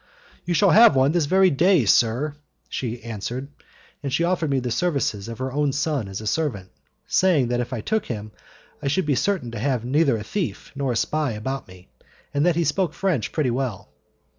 "You shall have one this very day, sir," she answered, and she offered me the services of her own son as a servant, saying that if I took him I should be certain to have neither a thief nor a spy about me, and that he spoke French pretty well.